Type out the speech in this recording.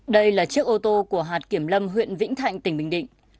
đây là chiếc ô tô của hạt kiểm lâm huyện vĩnh thạnh tỉnh bình định